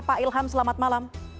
pak ilham selamat malam